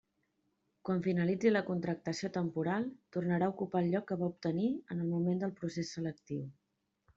Quan finalitzi la contractació temporal, tornarà a ocupar el lloc que va obtenir en el moment del procés selectiu.